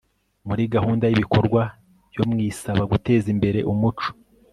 muri gahunda y'ibikorwa yo mu isaba guteza imbere umuco